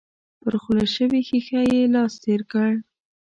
پر خوله شوې ښيښه يې لاس تېر کړ.